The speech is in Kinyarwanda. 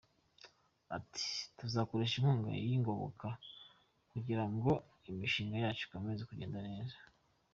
Ati “ Tuzakoresha inkunga y’ingoboka kugira ngo imishinga yacu ikomeze kugenda neza.